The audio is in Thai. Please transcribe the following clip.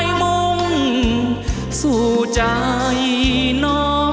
สู่ห่องใจสาวใจสาวหรอก